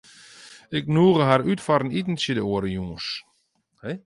Ik nûge har út foar in itentsje de oare jûns.